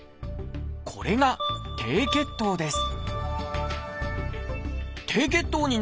これが「低血糖」です